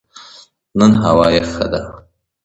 نن هوا یخه ده